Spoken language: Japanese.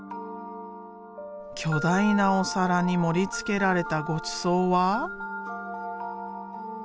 巨大なお皿に盛りつけられたごちそうは。